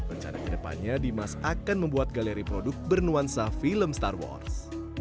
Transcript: rencana kedepannya dimas akan membuat galeri produk bernuansa film star wars